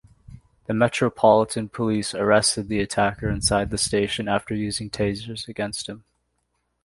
The Metropolitan Police arrested the attacker inside the station after using Tasers against him.